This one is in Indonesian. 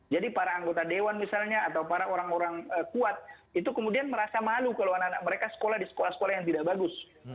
jadi para anggota dewan misalnya atau para orang orang kuat itu kemudian merasa malu kalau anak anak mereka sekolah di sekolah sekolah yang tidak bagus